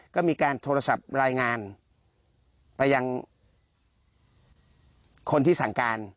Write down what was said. ก็มีการโทรศัพท์รายงานไปยังคนที่สั่งการ